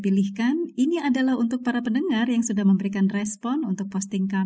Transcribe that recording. allah bapak kita akan jemput engkau